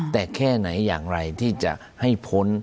แต่แค่ไหนอย่างไรที่จะให้พ้น